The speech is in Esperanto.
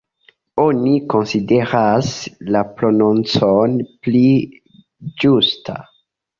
Oni konsideras la prononcon pli ĝusta.